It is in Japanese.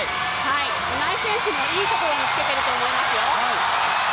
今井選手も、いいところにつけていると思いますよ。